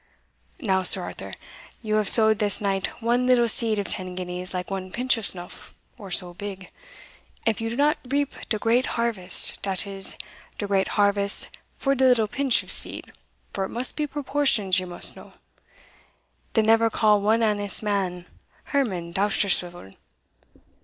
Now, Sir Arthur, you have sowed this night one little seed of ten guineas like one pinch of snuff, or so big; and if you do not reap de great harvest dat is, de great harvest for de little pinch of seed, for it must be proportions, you must know then never call one honest man, Herman Dousterswivel.